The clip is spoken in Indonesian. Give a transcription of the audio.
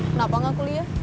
kenapa gak kuliah